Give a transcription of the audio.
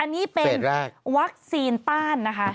อันนี้เป็นวัคซีนต้านนะคะ